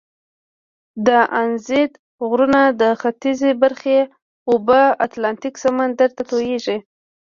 د اندیزد غرونو د ختیځي برخې اوبه اتلانتیک سمندر ته تویږي.